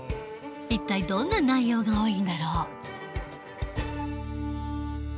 一体どんな内容が多いんだろう。